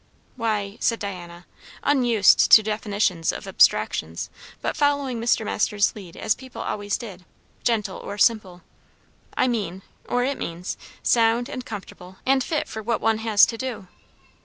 "Why," said Diana, unused to definitions of abstractions, but following Mr. Masters' lead as people always did, gentle or simple, "I mean, or it means, sound, and comfortable, and fit for what one has to do."